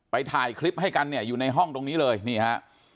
ถ่ายคลิปให้กันเนี่ยอยู่ในห้องตรงนี้เลยนี่ฮะ